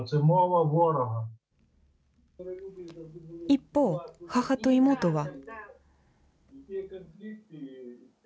一方、母と妹は。